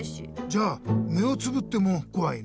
じゃあ目をつぶってもこわいの？